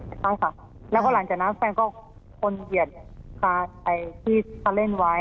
ใช่ค่ะแล้วก็หลังจากนั้นแฟนก็คนเหยียดที่เขาเล่นไว้